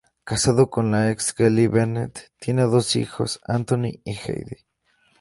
Casado con la ex Kelly Bennett, tienen dos hijos, Anthony y Heidi.